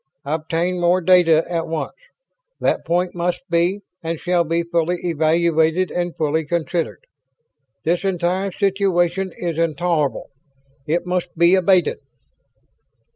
"Obtain more data at once. That point must be and shall be fully evaluated and fully considered. This entire situation is intolerable. It must be abated."